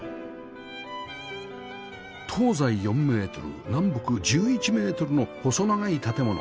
東西４メートル南北１１メートルの細長い建物